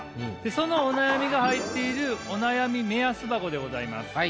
そのお悩みが入っているお悩み目安箱でございます。